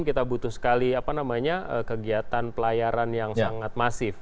kita butuh sekali kegiatan pelayaran yang sangat masif